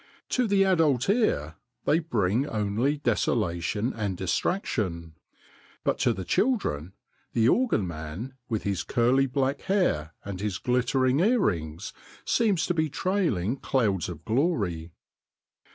To the adult ear 11 146 THE DAY BEFORE YESTERDAY they bring only desolation and distraction, but to the children the organ man, with his curly black hair and his glittering earrings, seems to be trailing clouds of glory.